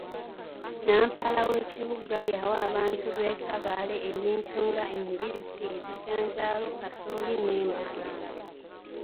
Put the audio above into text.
Nnampala w'ekibuga yawa abantu b'e Kabale ebintu nga embizzi, ebijanjaalo, kasooli n'emboga